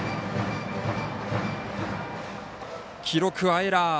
記録はエラー。